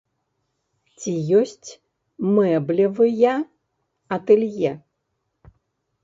Ці ёсць мэблевыя атэлье?